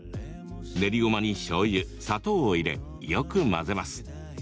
練りごまに、しょうゆ砂糖を入れ、よく混ぜます。